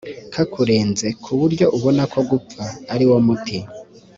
kakurenze ku buryo ubona ko gupfa ari wo muti